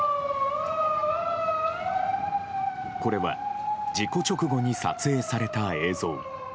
これは事故直後に撮影された映像。